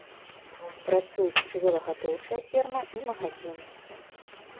Працуюць жывёлагадоўчая ферма і магазін.